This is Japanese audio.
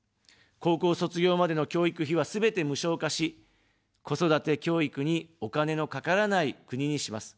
高校卒業までの教育費は、すべて無償化し、子育て、教育にお金のかからない国にします。